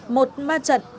một ma trật